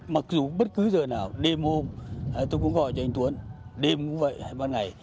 mặc dù bất cứ giờ nào đêm hôm tôi cũng gọi cho anh tuấn đêm cũng vậy hay ban ngày